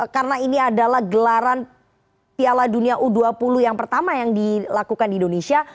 karena ini adalah gelaran piala dunia u dua puluh yang pertama yang dilakukan di indonesia